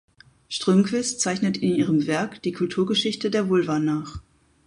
Strömquist zeichnet in ihrem Werk die Kulturgeschichte der Vulva nach.